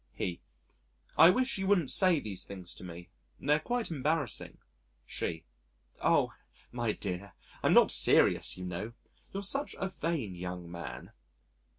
He: "I wish you wouldn't say these things to me they're quite embarrassing." She: "Oh! my dear, I'm not serious, you know you're such a vain young man."